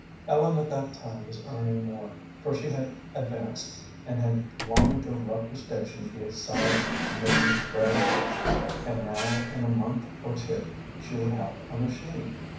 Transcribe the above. Ellen at that time was earning more, for she had advanced, and had long ago left her station beside Mamie Brady; and now in a month or two she would have a machine.